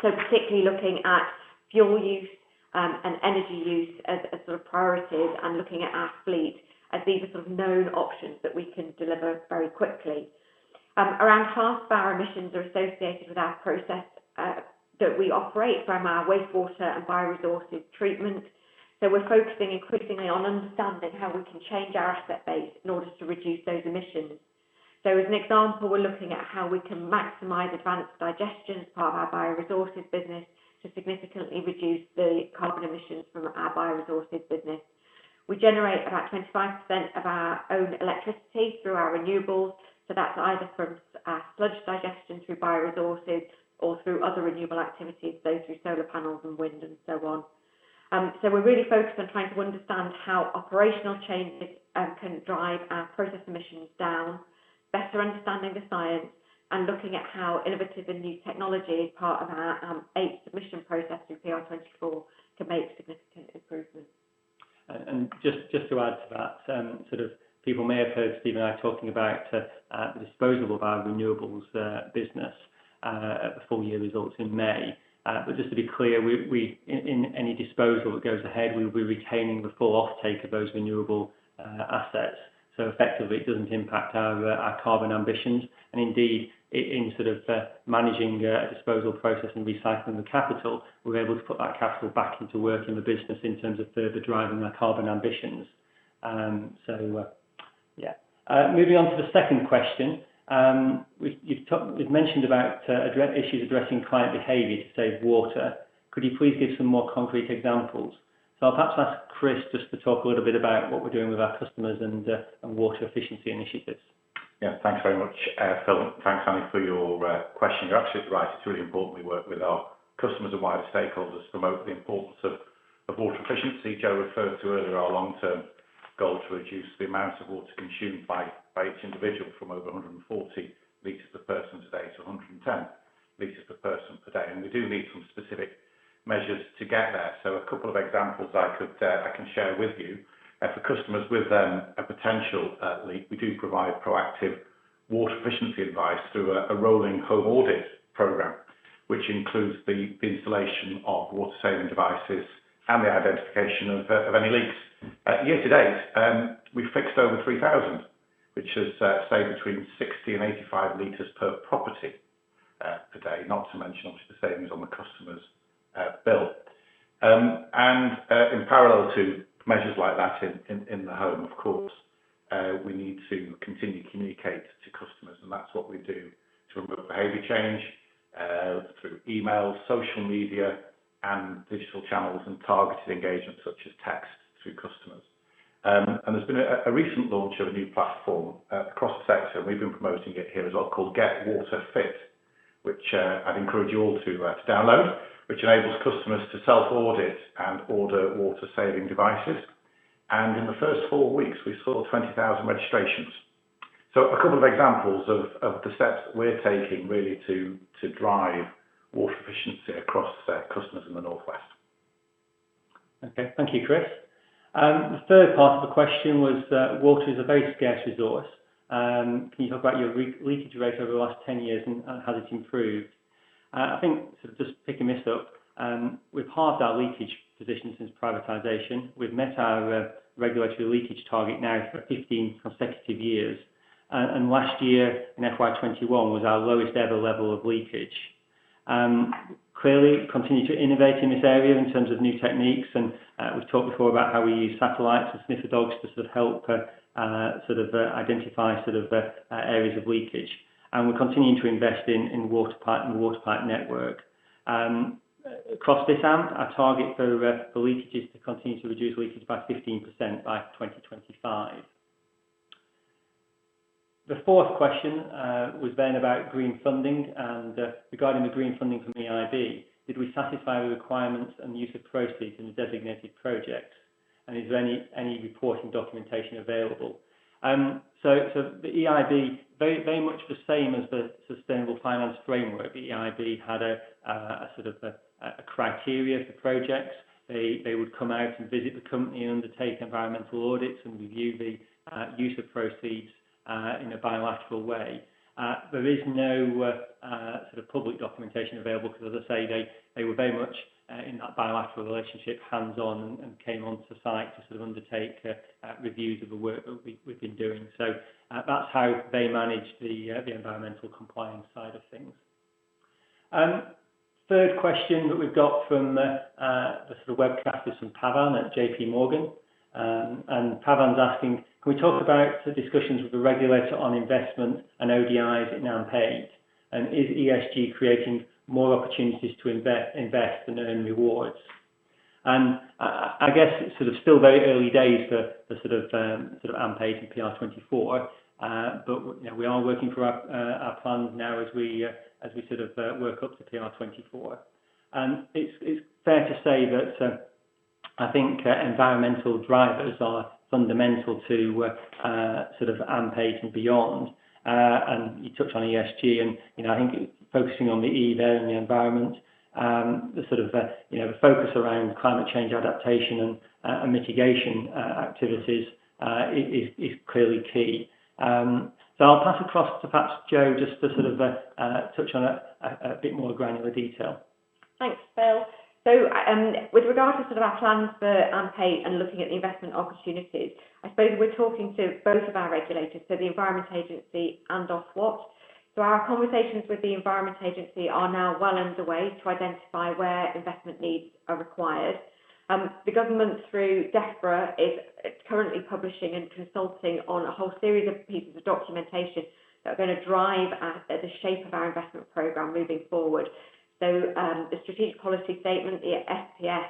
Particularly looking at fuel use and energy use as sort of priorities and looking at our fleet as these are sort of known options that we can deliver very quickly. Around half of our emissions are associated with our process that we operate from our wastewater and bioresources treatment. We're focusing increasingly on understanding how we can change our asset base in order to reduce those emissions. As an example, we're looking at how we can maximize advanced digestion as part of our bioresources business to significantly reduce the carbon emissions from our bioresources business. We generate about 25% of our own electricity through our renewables, so that's either from our sludge digestion through bioresources or through other renewable activities, so through solar panels and wind and so on. We're really focused on trying to understand how operational changes can drive our process emissions down, better understanding the science, and looking at how innovative and new technology as part of our AMP8 submission process through PR24 can make significant improvements. Just to add to that, people may have heard Steve and I talking about the disposal of our renewables business at the full-year results in May. Just to be clear, in any disposal that goes ahead, we'll be retaining the full offtake of those renewable assets. Effectively, it doesn't impact our carbon ambitions. Indeed, in sort of managing a disposal process and recycling the capital, we're able to put that capital back into work in the business in terms of further driving our carbon ambitions. Moving on to the second question. You've mentioned about issues addressing client behavior to save water. Could you please give some more concrete examples? I'll perhaps ask Chris just to talk a little bit about what we're doing with our customers and water efficiency initiatives. Yeah, thanks very much, Phil. Thanks, Annie, for your question. You're absolutely right. It's really important we work with our customers and wider stakeholders to promote the importance of water efficiency. Jo referred to earlier our long-term goal to reduce the amount of water consumed by each individual from over 140 L per person per day to 110 L per person per day. We do need some specific measures to get there. A couple of examples I can share with you. For customers with a potential leak, we do provide proactive water efficiency advice through a rolling home audit program, which includes the installation of water-saving devices and the identification of any leaks. Year to date, we've fixed over 3,000, which has saved between 60 L and 85 L per property per day, not to mention obviously the savings on the customer's bill. In parallel to measures like that in the home, of course, we need to continue to communicate to customers, and that's what we do to promote behavior change, through email, social media, and digital channels, and targeted engagement such as texts through customers. There's been a recent launch of a new platform across the sector, and we've been promoting it here as well, called Get Water Fit, which I'd encourage you all to download, which enables customers to self-audit and order water-saving devices. In the first four weeks, we saw 20,000 registrations. A couple of examples of the steps that we're taking really to drive water efficiency across customers in the North West. Okay. Thank you, Chris. The third part of the question was, water is a very scarce resource. Can you talk about your leakage rate over the last 10 years and how it's improved? I think, sort of just picking this up, we've halved our leakage position since privatization. We've met our regulatory leakage target now for 15 consecutive years. Last year, in FY 2021, was our lowest ever level of leakage. Clearly, continue to innovate in this area in terms of new techniques, we've talked before about how we use satellites and sniffer dogs to sort of help identify areas of leakage. We're continuing to invest in the water pipe network. Across this AMP, our target for leakage is to continue to reduce leakage by 15% by 2025. The fourth question was then about green funding regarding the green funding from EIB. Did we satisfy the requirements and the use of proceeds in the designated project, and is there any reporting documentation available? The EIB, very much the same as the Sustainable Finance Framework. The EIB had a sort of a criteria for projects. They would come out and visit the company and undertake environmental audits and review the use of proceeds in a bilateral way. There is no sort of public documentation available because as I say, they were very much in that bilateral relationship, hands-on, and came onto site to sort of undertake reviews of the work that we've been doing. That's how they manage the environmental compliance side of things. Third question that we've got from the sort of webcast is from Pavan at JPMorgan. Pavan's asking, can we talk about the discussions with the regulator on investment and ODIs at AMP8? Is ESG creating more opportunities to invest and earn rewards? I guess it's sort of still very early days for sort of AMP8 and PR24. We are working through our plans now as we sort of work up to PR24. It's fair to say that I think environmental drivers are fundamental to sort of AMP8 and beyond. You touched on ESG and I think focusing on the E there and the environment, the sort of focus around climate change adaptation and mitigation activities is clearly key. I'll pass across to perhaps Jo just to sort of touch on a bit more granular detail. Thanks, Phil. With regards to our plans for AMP8 and looking at the investment opportunities, I suppose we're talking to both of our regulators, the Environment Agency and Ofwat. Our conversations with the Environment Agency are now well underway to identify where investment needs are required. The government, through Defra, is currently publishing and consulting on a whole series of pieces of documentation that are going to drive the shape of our investment program moving forward. The Strategic Policy Statement, the SPS,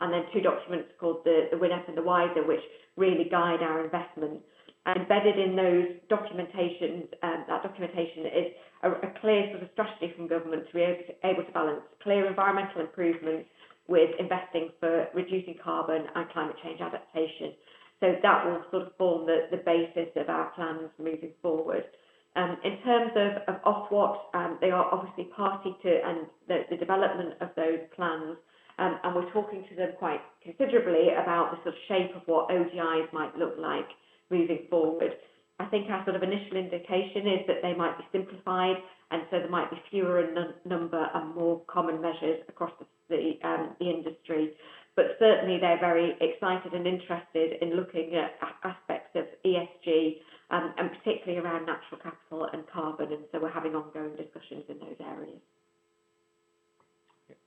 and then two documents called the WINEP and the WISER, which really guide our investment. Embedded in that documentation is a clear sort of strategy from government to be able to balance clear environmental improvements with investing for reducing carbon and climate change adaptation. That will sort of form the basis of our plans moving forward. In terms of Ofwat, they are obviously party to the development of those plans, and we're talking to them quite considerably about the sort of shape of what ODIs might look like moving forward. I think our sort of initial indication is that they might be simplified, there might be fewer in number and more common measures across the industry. Certainly, they're very excited and interested in looking at aspects of ESG, and particularly around natural capital and carbon, we're having ongoing discussions in those areas.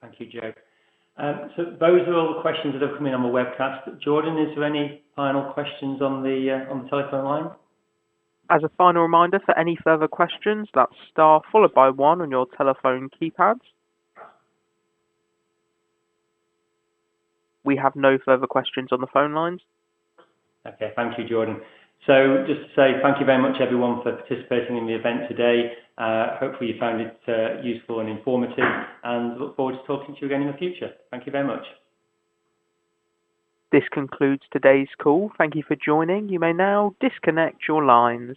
Thank you, Jo. Those are all the questions that have come in on the webcast. Jordan, is there any final questions on the telephone line? As a final reminder for any further questions, that's star followed by one on your telephone keypads. We have no further questions on the phone lines. Okay. Thank you, Jordan. Just to say thank you very much, everyone, for participating in the event today. Hopefully, you found it useful and informative and look forward to talking to you again in the future. Thank you very much. This concludes today's call. Thank you for joining. You may now disconnect your lines.